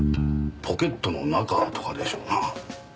ポケットの中とかでしょうな。